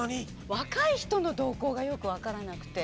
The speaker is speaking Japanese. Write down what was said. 若い人の動向がよくわからなくて。